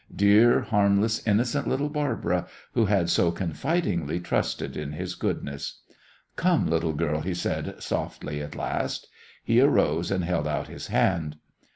Dear, harmless, innocent little Barbara, who had so confidingly trusted in his goodness! "Come, little girl," he said, softly, at last. He arose and held out his hand.